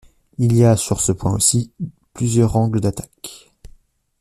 Il y a, sur ce point aussi, plusieurs angles d'attaque.